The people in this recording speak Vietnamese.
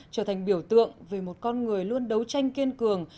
trở thành biểu tượng về một con người luôn đấu tranh kiên cường